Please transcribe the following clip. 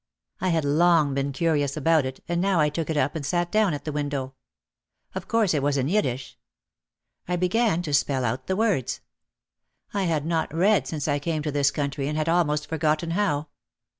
I had long been curious about it and now I took it up and sat down at the window. Of course it was in Yiddish. I began to spell out the words. I had not read since I came to this country and had almost forgotten how.